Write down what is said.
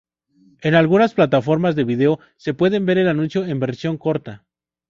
En algunas plataformas de video se puede ver el anuncio en versión corta.